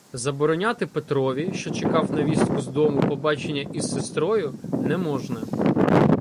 Забороняти Петрові, що чекав на вістку з дому, побачення із сестрою — не можна.